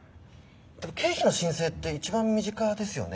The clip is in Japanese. でも経費の申請って一番身近ですよね。